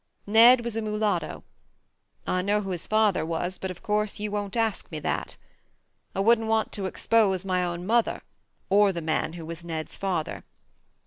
Ned was a mulatto. I know who his father was, but of course you won't ask me that. I wouldn't want to expose my own mother or the man who was Ned's father.